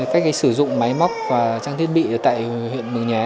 cách sử dụng máy móc và trang thiết bị tại huyện mường nhé